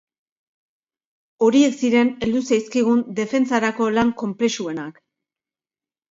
Horiek ziren heldu zaizkigun defentsarako lan konplexuenak.